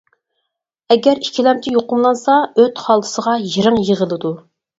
ئەگەر ئىككىلەمچى يۇقۇملانسا ئۆت خالتىسىغا يىرىڭ يىغىلىدۇ.